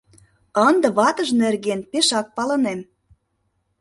Ынде ватыж нерген пешак палынем.